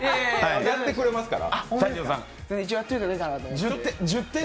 やってくれますから。